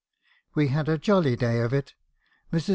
We had a jolly day of it. Mrs.